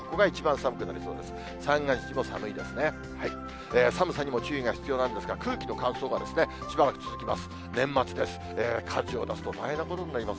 寒さにも注意が必要なんですが、空気の乾燥がしばらく続きます。